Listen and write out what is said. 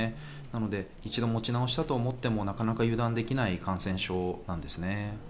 なので一度持ち直したと思ってもなかなか油断できない感染症なんです。